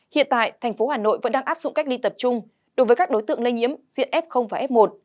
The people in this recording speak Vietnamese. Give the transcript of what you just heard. hiện tại thành phố hà nội vẫn đang áp dụng cách ly tập trung đối với các đối tượng lây nhiễm diện f và f một